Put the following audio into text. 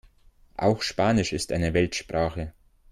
Auch Spanisch ist eine Weltsprache.